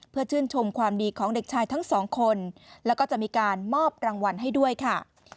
เพื่อชื่นชมความดีของเด็กชายทั้งสองคนแล้วก็จะมีการมอบรางวัลให้ด้วยค่ะ